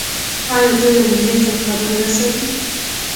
آیا دوی امنیت او قانون نه ساتي؟